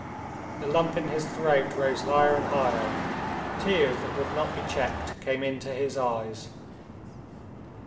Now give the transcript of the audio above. The lump in his throat rose higher and higher, tears that would not be checked came into his eyes.